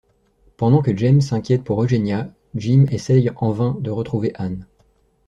Pendant que James s'inquiète pour Eugenia, Jim essaie en vain de retrouver Ann.